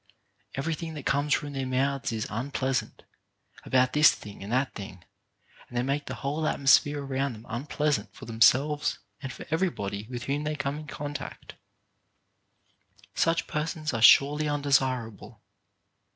Everything that comes from their mouths is unpleasant, about this thing and that thing, and they make the whole atmosphere around them unpleasant for themselves and for everybody with whom they come in contact. Such persons are surely undesirable.